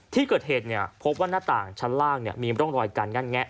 ที่เกิดเหตุเนี่ยพบว่าหน้าต่างชั้นล่างมีโรงลอยกันงั้นแงะ